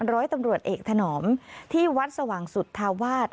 ร้อยตำรวจเอกถนอมที่วัดสว่างสุธาวาส